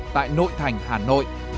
tại nội thành hà nội